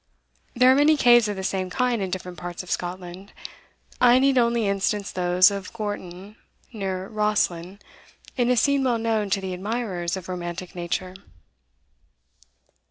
There are many caves of the same kind in different parts of Scotland. I need only instance those of Gorton, near Rosslyn, in a scene well known to the admirers of romantic nature.